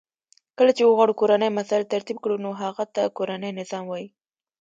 کله چی وغواړو کورنی مسایل ترتیب کړو نو هغه ته کورنی نظام وای .